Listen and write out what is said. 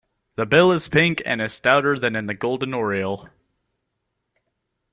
The bill is pink and is stouter than in the golden oriole.